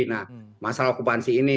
nah masalah okupansi ini